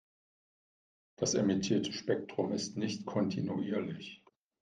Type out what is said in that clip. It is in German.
Das emittierte Spektrum ist nicht kontinuierlich.